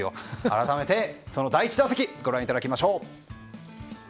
改めてその第１打席ご覧いただきましょう。